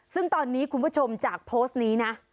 ซึ่งตอนนี้คุณผู้ชมจากโพสต์นี้นะ